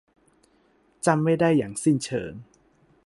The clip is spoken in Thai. จำไม่ได้อย่างสิ้นเชิง